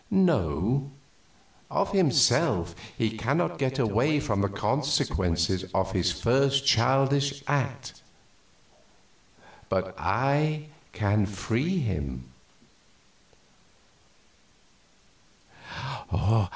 "No, of himself he cannot get away from the consequences of his first childish act. But I can free him."